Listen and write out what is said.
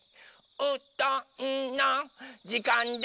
「うどんのじかんです！」